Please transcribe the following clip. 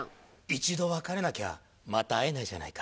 一度別れなきゃまた会えないじゃないか。